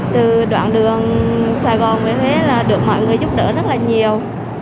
từ đoạn đường sài gòn về huế là được mọi người giúp đỡ rất là nhiều